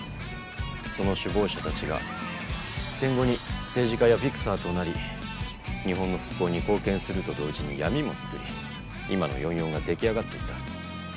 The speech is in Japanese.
その首謀者たちが戦後に政治家やフィクサーとなり日本の復興に貢献すると同時に闇も作り今の４４が出来上がっていった。